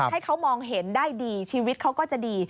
ให้เขามองเห็นได้ดีชีวิตเขาก็จะดี